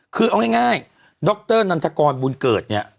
คือเอาง่ายดรนันทกรบุญเกิดเนี่ย